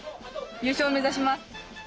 優勝目指します！